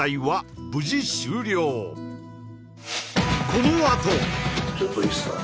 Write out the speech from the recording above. このあとちょっといいっすか？